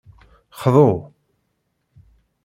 Xḍu.